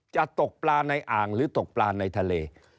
จะตกปลาในอ่างหรือตกปลาในทะเล